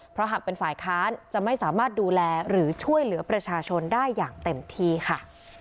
เพราะหากเป็นฝ่ายค้านจะไม่สามารถดูแลหรือช่วยเหลือประชาชนได้อย่างเต็มที่ค่ะ